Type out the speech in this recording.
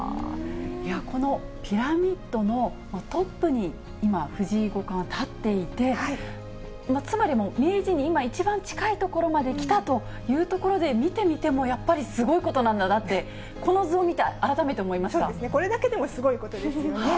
このピラミッドのトップに今、藤井五冠は立っていて、つまり、名人に今一番近い所まで来たというところで見てみても、やっぱりすごいことなんだなって、これだけでもすごいことですよね。